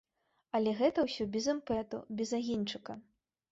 Але гэта ўсё без імпэту, без агеньчыка.